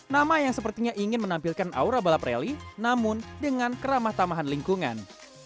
nama yang sepertinya ingin menampilkan aura balap rally namun dengan keramah tamahan lingkungan